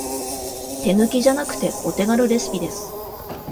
手抜きじゃなくてお手軽レシピです